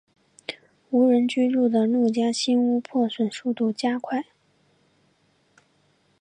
无人居住的陆家新屋破损速度加快。